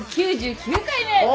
３９９回目！